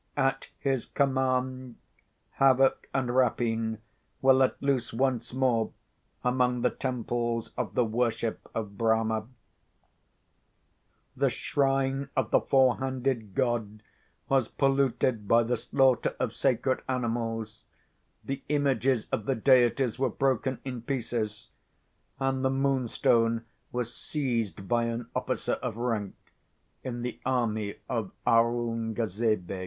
At his command havoc and rapine were let loose once more among the temples of the worship of Brahmah. The shrine of the four handed god was polluted by the slaughter of sacred animals; the images of the deities were broken in pieces; and the Moonstone was seized by an officer of rank in the army of Aurungzebe.